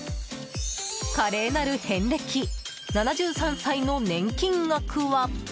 華麗なる遍歴、７３歳の年金額は。